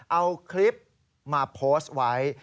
เอาคลิปมาโพสต์ไว้